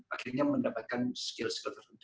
akhirnya mendapatkan skill skill tertentu